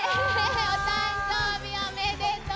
お誕生日おめでとう！